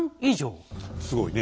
すごいね。